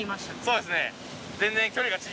そうですね。